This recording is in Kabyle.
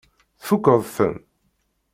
Tfukkeḍ-ten?